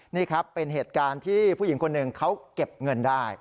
นี่ครับเป็นเหตุการณ์ที่ผู้หญิงคนหนึ่งเขาเก็บเงินได้